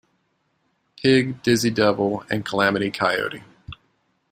Pig, Dizzy Devil and Calamity Coyote.